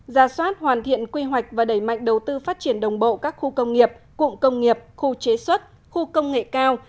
ra soát hoàn thiện quy hoạch và đẩy mạnh đầu tư phát triển đồng bộ các khu công nghiệp cụm công nghiệp khu chế xuất khu công nghệ cao